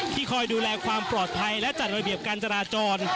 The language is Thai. คอยดูแลความปลอดภัยและจัดระเบียบการจราจร